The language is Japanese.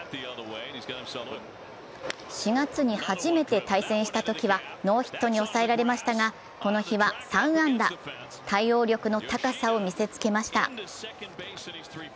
４月に初めて対戦したときはノーヒットに抑えられましたが、この日は３安打、対応力の高さを見せつけました。